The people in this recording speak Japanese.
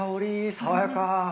爽やか。